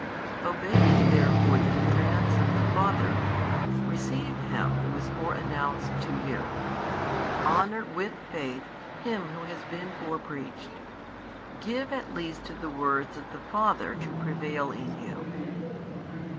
Obeying therefore the commands of the Father, receive Him Who is fore announced to you; honour with faith Him Who has been fore preached. Give at least to the words of the Father to prevail in you.